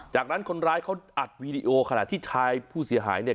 จากนั้นคนร้ายเขาอัดวีดีโอขณะที่ชายผู้เสียหายเนี่ย